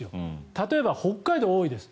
例えば、北海道は多いです。